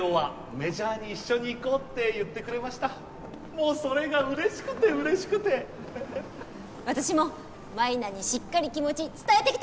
もうそれがうれしくてうれしくて私も舞菜にしっかり気持ち伝えてきた！